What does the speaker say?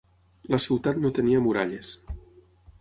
La ciutat no tenia muralles.